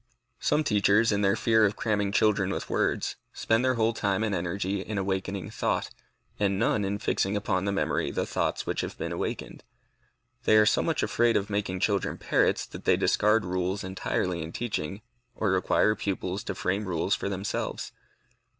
Some teachers, in their fear of cramming children with words, spend their whole time and energy in awakening thought, and none in fixing upon the memory the thoughts which have been awakened. They are so much afraid of making children parrots, that they discard rules entirely in teaching, or require pupils to frame rules for themselves.